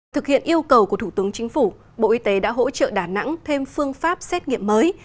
thực hiện yêu cầu của thủ tướng chính phủ bộ y tế đã hỗ trợ đà nẵng thêm phương pháp xét nghiệm mới